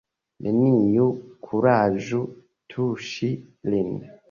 Neniu kuraĝu tuŝi lin!